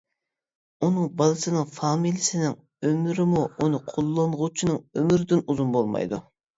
ئۇنىڭ بالىسىنىڭ فامىلىسىنىڭ ئۆمرىمۇ ئۇنى قوللانغۇچىنىڭ ئۆمرىدىن ئۇزۇن بولمايدۇ.